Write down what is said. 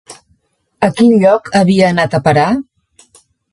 A quin lloc havia anat a parar?